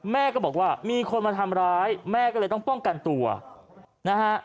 แม่ก็บอกว่ามีคนมาทำร้ายแม่ก็เลยต้องป้องกันตัวนะฮะ